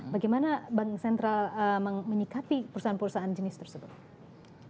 bagaimana bank sentral menyikapi perusahaan perusahaan jenis tersebut